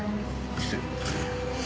失礼。